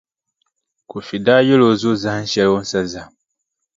Kofi daa yɛli o zo zahinʼ shɛli o ni sa zahim.